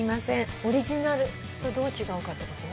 オリジナルとどう違うかってこと？